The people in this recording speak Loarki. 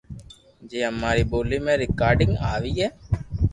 جي اما ري ٻولي رآڪارڌ آئيئي